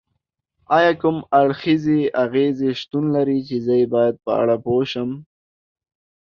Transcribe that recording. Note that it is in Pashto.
ایا کوم اړخیزې اغیزې شتون لري چې زه یې باید په اړه پوه شم؟